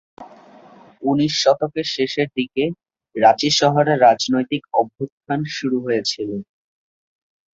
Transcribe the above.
উনিশ শতকের শেষের দিকে, রাঁচি শহরে রাজনৈতিক অভ্যুত্থান শুরু হয়েছিল।